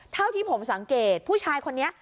เท่าที่ผมสังเกตผู้ชายคนนี้